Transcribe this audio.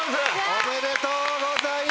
おめでとうございます！